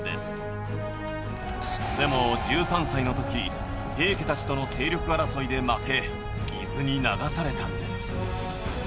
でも１３歳の時平家たちとの勢力争いで負け伊豆に流されたんです。